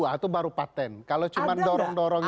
itu baru patent kalau cuman dorong dorong